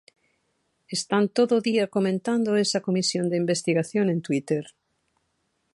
Están todo o día comentando esa comisión de investigación en Twitter.